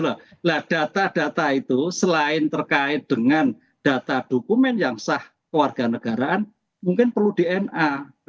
nah data data itu selain terkait dengan data dokumen yang sah kewarganegaraan mungkin perlu dna